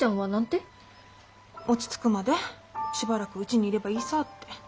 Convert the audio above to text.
落ち着くまでしばらくうちにいればいいさぁって。